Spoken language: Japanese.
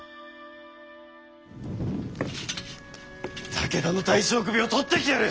武田の大将首を取ってきてやる！